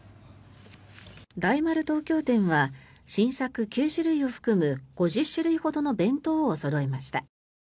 大丸東京店は新作９種類を含む５０種類ほどの弁当をそろえました。